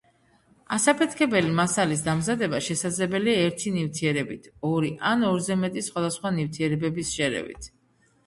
ასაფეთქებელი მასალის დამზადება შესაძლებელია ერთი ნივთიერებით, ორი ან ორზე მეტი სხვადასხვა ნივთიერებების შერევით.